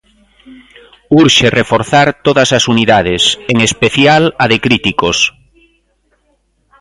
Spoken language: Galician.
Urxe reforzar todas as unidades, en especial a de críticos.